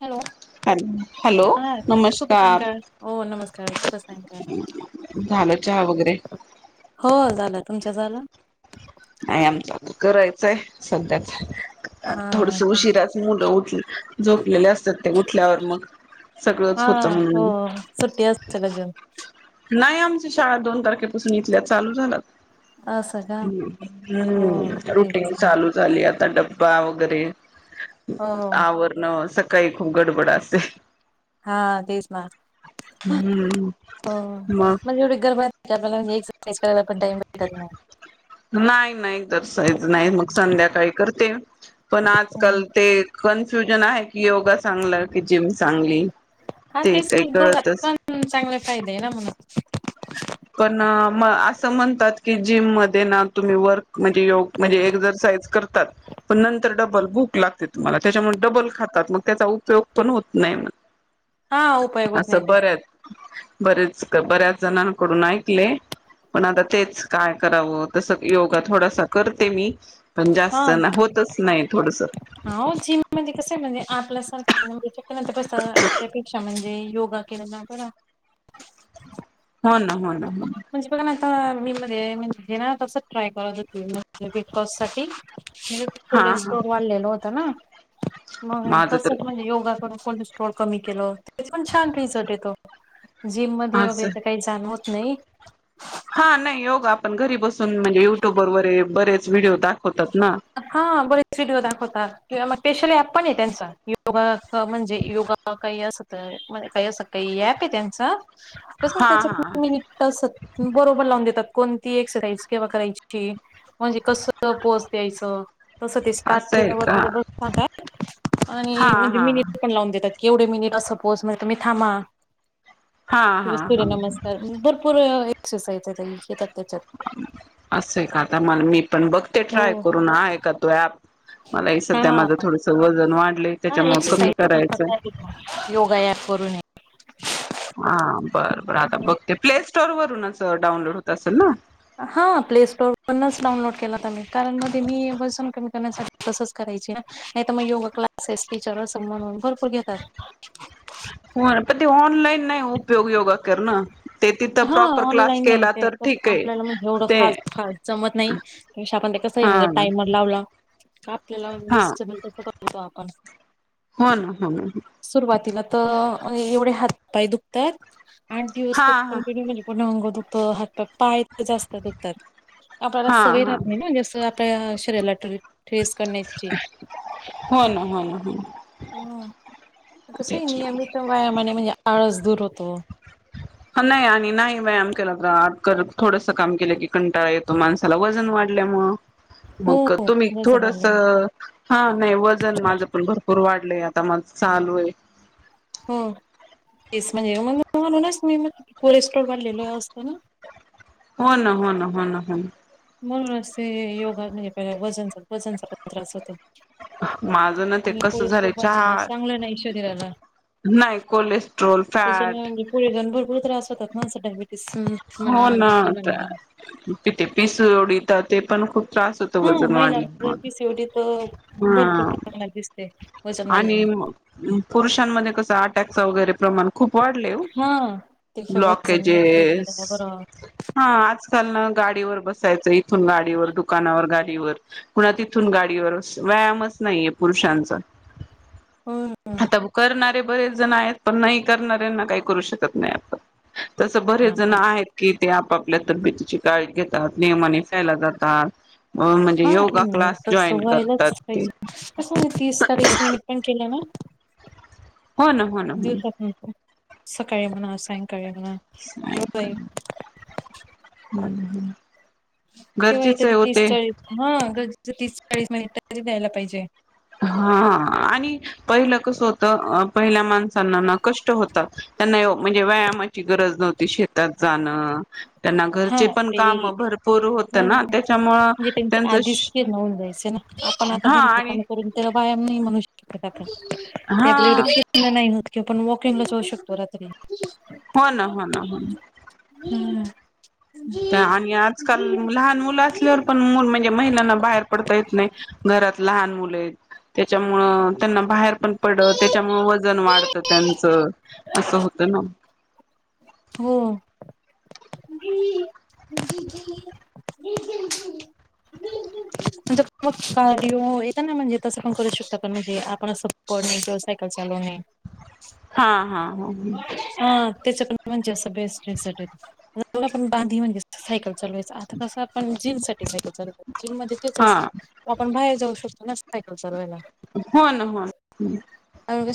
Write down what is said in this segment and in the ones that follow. Hello hello hello हा सुभ नमस्कार सायंकाळ ओ नमस्कार, शुभ झालं चहा वगैरे सायंकाळ हो झालं तुमचा झालं? नाही. आमचा करायचाय सध्याचं हा थोडसं ते उशिराचं मुलं उठली. झोपलेले अस ते ऊठल्यावर मग सगळंच हा होत हो म्हणून सुट्टी असेल अजून. नाही, आमची शाळा दोन तारखेपासून इथल्या चालू झाल्यात. असं का? हं हो हम्म, तेच रुटीन ना चालू झाली आत डब्बा वगैरे हो आवरणं सक काळी खूप गडबड असते हं. हा, तेच ना. हम्म हो. मग माझी एवढे गरब आत्या मला म्हणले यायचं टेस्ट करायला पण टाइम भेटत नाही. नाही, नाही जर सायचं नाही मग संध्याकाळी करते. पण नाही. आजकाल ते कन्फ्युजन आहे की, योगा चांगला की जिम चांगली? हा ते तेच काही म्हण, दोघात कळतच पण चांगला फायदा आहे ना म्हणून. पण म असं म्हणतात की, जिम मध्ये ना तुम्ही वर्क म्हणजे योग म्हणजे एक्सरसाइज करतात पण नंतर डबल भुक लागते तुम्हाला, त्याच्यामुळे डबल खातात मग त्याचा उपयोग पण होत नाही. हा उपयोग होत नाही असं त्याचा. बऱ्याच बरेच, बऱ्याच जणा कडून ऐकलयं, पण आता तेच काय करावं? तस योगा थोडासा करते मी. पण जास्त ना होतच नाही थोड हा ओ जीम म्हणजे कसय म्हणजे आपल्यासारखांना, तेच्यानंतर कसं अ त्यापेक्षा म्हणजे योगा केला ना जरा हो ना हो ना हो. मी मध्ये म्हणजे ना तस ट्राय करत होते म्हणजे ब्रेकफास्ट साठी हा हा. नव्हतं ना? मग, माझं तर तसच म्हणजे योगा करून- कोलेस्ट्रोल कमी केलं. तरीपण छान रिझल्ट येतो. जिम मध्ये वगैरे असं तर काही जाण होत - नाही? हा, नाही योगा आपण घरी बसून- पण म्हणजे युट्यूबर वरे- बरेच व्हिडिओ होता. हा. बरेच व्हिडिओ दाखवतात. किंवा मग स्पेशल ऍप पण आहे त्यांचा. योगा म्हणजे योगा काही असं तर काही असं काही ऍप आहे त्यांचा- कसं हा त्याच हा कुठं मिन असत, बरोबर लावून देतात. कोणती एक्सरसाईज केव्हा करायची? म्हणजे कस पोज द्यायचं. तसं ते स्टार्ट असं आहे केल्या का बरोबर सांगातात आणि हा म्हणजे हा मीनीट पण लावून देतात. एवढे मिनिट अस पोजमध्ये तुम्ही थांबा. हा किंवा हा हा सूर्यनमस्कार, भरपूर अ - एक्सरसाइजचा टाईम घेतात. असंए का? आता मला मी- पण बघते ट्राय हो करून आहे का तो ऍप? मला ही हा सध्या माझं थोडस वजन वाढ- हा. एक्सरसाईजचे पण प्रकार आहेत ना, योगा ॲप वरून हे. [inaudible] हा बरं बरं आता बघते, प्ले स्टोर वरूनच डाऊनलोड होत असेल ना? हा प्ले स्टोअरवरूनच डाउनलोड केलाता मी. कारण मध्ये मी, वजन कमी करण्यासाठी- तसच करायची ना? नाही तर मग योगा क्लासेस टीचर असेल म्हणून पण भर - होऊ द्या तर- हो ना पण ते, ऑनलाईन नाही उपयोग योगा करण - हा. ऑनलाईन नाही. ते ठीक कसंय आहे आपल्याला म्हणजे एवढं ते फास्ट फास्ट जमत नाही. त्यापेक्षा ते कस आहे? आपण हा म्हणजे टायमर लावला का आपल्याला हा दिसत तस करतो आपण. हो ना हो ना. सुरुवातीला त-एवढे हातपाय दुखतायेत. आठ दिवस हा तर हा कोण [unintelligible] म्हणे पूर्ण अंग दुख - हो हात पाय. पाय एकत जास्त दुखतात. आपल्याला हा सवय हा राहत नाही ना. जस आपल्या शरीराला टेस करण्याची हो ना हो ना हो ना हं कसयं त्याच्या नियमित वाया [unintelligible] आळस दूर होतो. हा नाही आणि नाही व्यायाम केला तर आ थोडस काम केलं की कंटाळा येतो माणसाला वजन वाढल्यामुळ, हो मग तुम्ही वजन थोडस वाढलं. -हा नाही वजन माझ पण भरपूर वाढलंय, आता मग चालू आहे. हो तेच म्हणजे मग म्हणूनच मी [inaudible] कोल् स्टोरवरलेलो असतो ना? हो ना हो ना हो ना हो ना म्हणून असते योगा [inaudible] म्हणजे पहि वजनचा वजनचा पण त्रास होतो माझं ना ते आणि कसं कोलेस्ट्रॉल झालंय वाढलेलं चांगलं नाही शरीराला. चहा--नाही कोलेस्ट्रॉल त्याच्याने फॅट म्हणजे [inaudible] त्रास होतात [inaudible] [inaudible] म्हणा बीपी म्हणा पिस उडित ते पण खूप त्रास होतो हा वजन महिला वाढलं कि पीसीओडी तर मला भरपूर हं प्रमाणात दिसते वजन आणि वाढल्याने. म पुरुषांमधे कसं अटॅकचा वगैरे [unintelligible] प्रमाण खूप वाढलयं हा त्याच्या वजन नियंत्रित ओ--ब्लॉकेजेस केलं बरं. हा आजकाल ना गाडीवर बसायचं इथून गाडीवर दुकानात [unintelligible] गाडीवर पुन्हा तिथून गाडीवर व्यायामच नाहीये पुरुषांचा. हम्म आता [unintelligible] करणार ते बरेच जण आहेत पण नाही करणाऱ्यांना काही करू शकत नाही आपण तस हा जण आहेत की ते [unintelligible] आपल्या तब्बेतीची [inaudible] घेतात नियमाने [unintelligible] जातात अ म्हणजे हा योगा म्हणजे क्लास तस जॉईन व्हायलाच करतात ते पाहिजे ना हो ना हो ना हो ना. दिवसातून सकाळी म्हणा [unintelligible] साय [inaudible] हम्म केव्हा [unintelligible] तीस चाळीस [inaudible] हा चाळीस मिनिट द्यायला पाहिजे. हा आणि पहिलं कस होत पहिल्या माणसांना कष्ट होतात, त्यांना म्हणजे व्यायामाची गरज नव्हती, शेतात जाणं, त्यांना हा घरचे पण ते काम भरपूर होत हो ना त्याच्यामुळं म्हणजे त्यांच्या त्यांचं, आधीच फिरणं होऊन हा आणि बायम नाही मनष टा ते हा आपल्या एवढं कष्ण नाही होत कि पण वॉकिंग ला जाऊ शकतो रात्री हो ना हो ना हो ना आणि आजकाल लहान मुलं असल्यावर पण मुल म्हणजे महिलाना बाहेर पडता येत नाही घरात लहान मुले आहेत त्याच्यामुळ त्यांना बाहेर पण पडत त्याच्यामुळे वजन वाढतं त्यांचं असं होतं ना हो म कार्य येत ना म्हणजे तसं पण करू शकता पण म्हणजे आपण असं पणे किंवा सायकल चालवणे हा हा हो त्याच पण म्हणजे असं बेस्ट रिझल्ट आहेत आपण आता बांधी नाही म्हणजे सायकल चालवायचं आता तसं आपण जिम जिम मध्ये ते असत हा आपण बाहेर जाऊ शकतो नसत सायकल चालवायला हो ना हो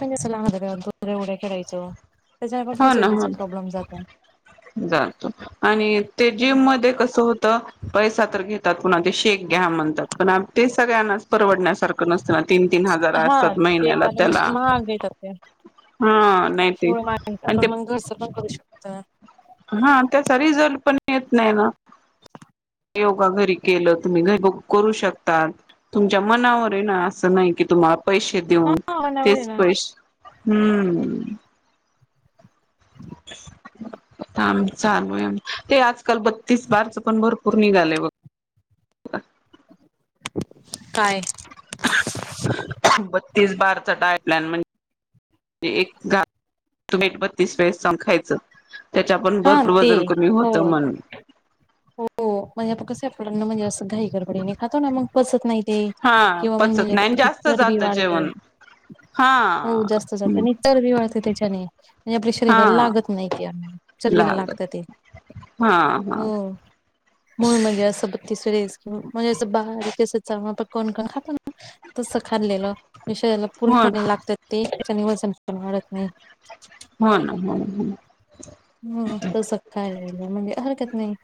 कस आहे येवढं खेळायचो त्याच्याने पण हो ना हो पीसीओडीचा प्रॉब्लेम जातो. ना जातो आणि ते जिम मध्ये कसं होत पैसा तर घेतात पुन्हा ते शेक घ्या म्हणतात पण ते सगळ्यांनाच परवडण्यास ार नसत तीन तीन हजार हा असतात ते महिन्याला कारण त्याला महाग येतात ते. ह नाही ते आणि आप ते मग कसपन करू शकत हा त्याचा रिझल्ट पण येत नाही ना योगा घरी केलं तुम्ही घर करू शकता तुमच्या मनावर ना असं नाही की तुम पैसे हा देऊन वन आवर आहे तेच ना पैसे हम्म म चालू आहे ते आजकाल बत्तीस बारच पण भरपूर निघाले बघ काय तीस बारचा टायप्लॅन म्हणजे एक घ तुम्ही बत्तीस वेळेस चांगले चावून खायचं. त्याच्या पण हा भरपूर ते वजन कमी हो. होतं म्हण हो म्हणजे आपण कस आपलांना म्हणजे असं घाई गडबडी ने खातो ना मग पचत नाही. हा पचत नाही आणि जास्त चरबी जातं वाढते जेवण हो हा. जास्त आणि चरबी वाढते त्याच्याने म्हणजे आपल्या हा शरीराला लागत नाही क चरबीला लागत ते हा हा हो. म्हणून म्हणजअसं बत्तीसर वेळा म्हणजे असं बारीक चावून खाल्लेलं पण कोण कोण खातो ना तसं खाल्लेलं. विषयला हो पूर्ण करावं लागतात ते त्यांनी वजन पण वाढत नाही. होणा हो हो. हम्म तसखाय म्हणजे, हरकत नाही.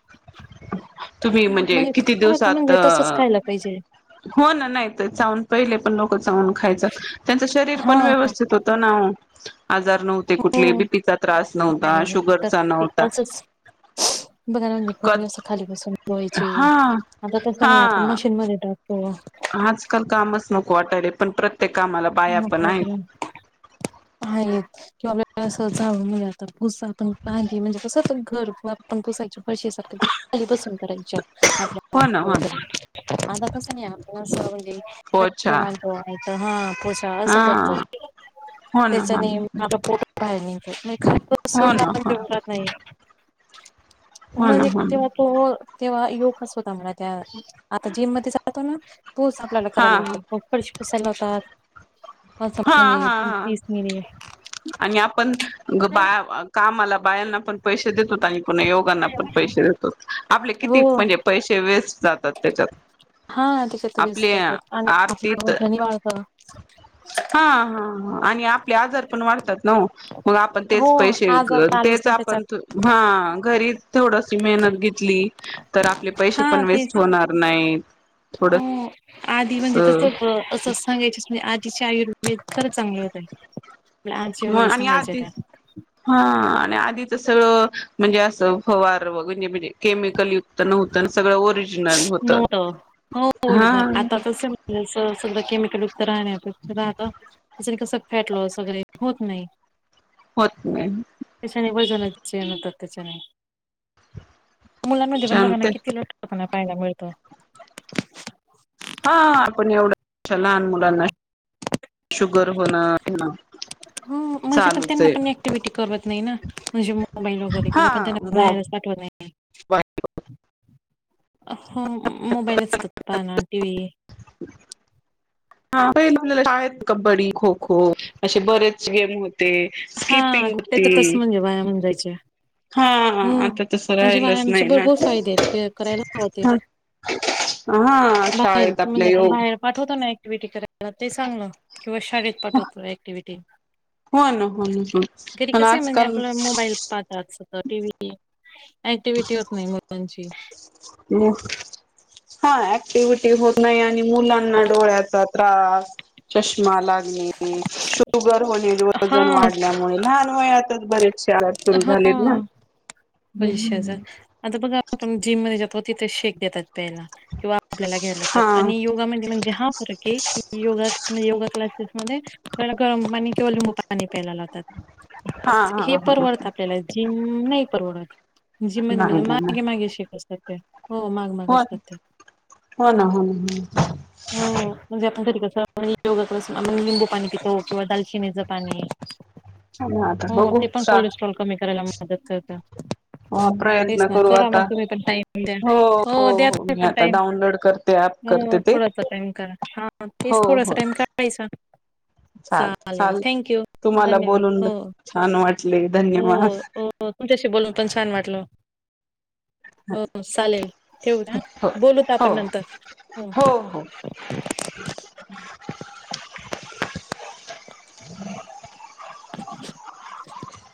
तुम्ही म्हणजे किती खरं तर दिवसात, म्हणजे तसंच खायला पाहिजे हो ना नाहीत चावून पहिले पण लोक चाऊून खायच त्यांचं शरीर हा पण व्यवस्थित होतं ना ओ. [inaudible] आजार नव्हते हो कुठले बीपीचा त्रास नव्हता, नाही तर शुगरचा ते नव्हता असंच बघा ना, म्हणजे क कपडे असं खाली बसून धुवायचे. हा आतातसं हा नाही आपण मशीनमध्ये टाक हा केव्हा आजकाल कामच नको वाटायला पण प्रत्य ते कामाला बाया नको पण आहेत. वाटलं आहेत, किंवा आपण जाळून म्हणजे आता पुसायची, आपण खाली म्हणजे कसच घर आपण पुसायच फरशी खाली बसून करायच्या. हो ना हो ना [unintelligible] आता तस नाही आप पोछा जावई [unintelligible] तर हा पूजा असं हा करतो. हो ना हो त्याच्याने ना आता पोटात [unintelligible] खाली हो बसून ना आपण हो ना जेवत नाही. हो ना म्हणजे हो ना तेव्हा तो तेव्हा योगस होता म्हणा त्या, आता जिम मध्ये जातो ना पूस आपल्याला हा करायला लावतात, फारशी पुसायला लावतात. ब हा हा हा हा समजशी आणि आपण बा कामाला बायांना पण पैसे देतोत ताई पण लोकांना पण पैसे देतो. आपले हो किती म्हणजे पैसे वेस्ट जातात. तेच्यात. हा त्याच्यात वीस टाकायचं आणि आरतीत [unintelligible] वाळत. हा हा ह. आणि आपले आजार पण वाढतात ना ओ. मग आपण तेच हो पैसे आजार तर आलीच तेच ना आपण त्याच्यात हा घरी थोडशी मेहनत घेतली. तर आपले पैसे हा पण वेस्ट तेच होणार नाहीत. हो थोडं. आधी म्हणजे कसं होत असंच सांगायचच नाही आधी शाय वेट खरंच चांगले होते. आजी वगैरे मग आणि सांगायचे त्या आधीच हा आधीच सगळं म्हणजे अस फवारणी होते. केमिकल मुक्त नव्हत हो, हा आता तर म्हणज सगळं केमिकल राहत राहण त्याच्या कस फॅटलाॅस वगैरे होत नाही हो मग तन त तेचन [unintelligible] मुलांमध्ये पण छान बघा ना ते किती लट्ट आता पाहायला मिळतो हा आपण एवढं अ लहान मुलांना शुगर होणं ह म्हणजे पण चालूच त्यांना आहे पण ऍक्टिव्हटी करवत नाही ना म्हणजे मोबाईल वगैरे हा किंवा पण त्यांना मग बाहेरच अ हो मोबाईलच बघतात ना टिव्ही आहेत कबड्डी खो खो असे बरेच गेम होते. ते हा स्किपिंग त्याच्यातच होती. म्हणजे व्यायाम होऊन जायचे हा हो आता तस म्हणजे राहिलच व्यायामचे नाही ना भरपूर फायदे आहेत करायला हवा ते हा शाळेत आपल्या योग टीव्ही करायला ते चांगलं किंवा शाळेत पाठवतो ऍक्टीव्हिटी ते हो ना हो ना हो पण म्हणजे आजकाल आपला ऍक्टिव्हीटी होत नाही मुलांची हा ऍक्टिव्हीटी होत नाही. आणि मुलांना डोळ्यात चष्मा लागणे. शुगर होईल. हा वजन वाढल्यामुळे लहान वयात बरेच शाळा सुरू झालेत ना, बरेचशे हम्म अ बघा आपण जिम त्याच्या पोती ते शेक देतात प्यायला किंवा आपल्याला घ्यायला लावतात हा आणि योगामध्ये म्हणजे हा फरक आहे की योगा योगा क्लास ऑफिस मध्ये गरम पाणी केिंवा लिंबू पाणी प्यायला लावतात. हा हे हा हा परवडत आपल्याला जीम नाही परवडत जीम मध्ये माझ्या नाही नाही नाही मागे मागे शिक असतात. [inaudible] माग हो असतात ते हो ना हो ना हो ना हो म्हणजे आपण कधी योगा क्लास ला लिंबू पाणी पितो किंवा दालचिनीचं पाणी ना आता हो बघू ते पण कोलेस्ट्रॉल कमी करायला म मदत करता. हा प्रयत्न करू आता टाइम द्या हो द्या हो तुम्ही मी पण आता टाइम डाउनलोड करते. ऍप हो करते. ते थोडासा टाइम काढा हा हो तेच थोडासा हो टाइम कढयचा चाल चालेल चाल थँक यू तुम्हाला धन्यवाद बोलून हो. छान वाटले हो धन्यवाद हो तुमच्याशी बोलून पण छान वाट टल. हो चालेल ठेवु ना हो बोलूत आपण हो नंतर हो [inaudible] [inaudible]